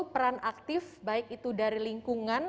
peran aktif baik itu dari lingkungan